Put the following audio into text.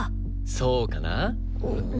そうかな？